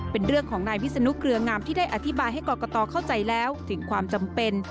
เป็นเรื่องของนายวิศนุเกลืองามที่ได้อธิบายให้กรกตเข้าใจแล้วถึงความจำเป็น